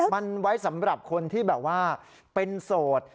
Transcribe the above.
มันไว้สำหรับคนที่แบบว่าเป็นโสด